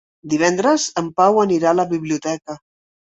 Divendres en Pau anirà a la biblioteca.